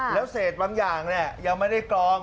แล้วเศษบางอย่างยังไม่ได้กรอง